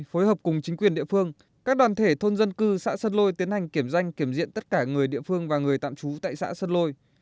phối hợp cùng chính quyền địa phương các đoàn thể thôn dân cư xã sơn lôi tiến hành kiểm danh kiểm diện tất cả người địa phương và người tạm trú tại xã sơn lôi